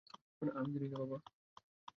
আমি জানি না বাবা।